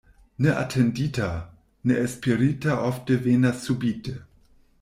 Ne atendita, ne esperita ofte venas subite.